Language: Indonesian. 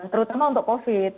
terutama untuk covid